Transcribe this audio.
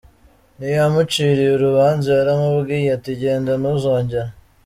Ntiyamuciriye urubanza yaramubwiye ati genda ntuzongere.